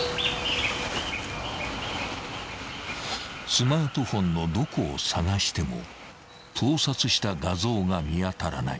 ［スマートフォンのどこを探しても盗撮した画像が見当たらない］